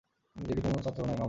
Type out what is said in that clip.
JD কোনো ছাত্র নয়, মামনি।